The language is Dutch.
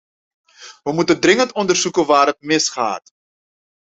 We moeten dringend onderzoeken waar het mis gaat.